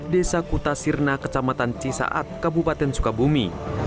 desa kuta sirna kecamatan cisaak kabupaten sukabumi